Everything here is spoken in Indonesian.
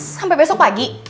sampai besok pagi